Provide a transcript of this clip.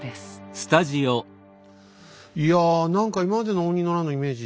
いや何か今までの応仁の乱のイメージ